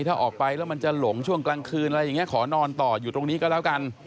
ถ้าออกไปแล้วมันจะหลงช่วงกลางคืนอะไรอย่างนี้ขอนอนต่ออยู่ตรงนี้ก็แล้วกัน